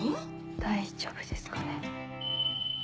大丈夫ですかね。